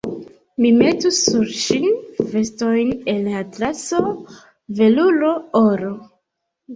Mi metus sur ŝin vestojn el atlaso, veluro, oro.